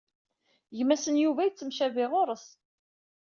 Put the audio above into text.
Gma-s n Yuba yettemcabi ɣur-s.